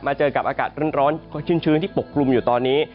เจอกับอากาศร้อนชื้นที่ปกคลุมอยู่ตอนนี้